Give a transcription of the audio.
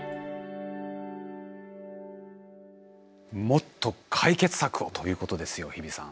もっと解決策をということですよ日比さん。